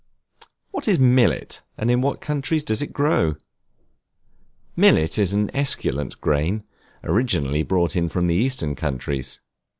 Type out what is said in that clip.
What is Millet, and in what countries does it grow? Millet is an esculent grain, originally brought from the Eastern countries.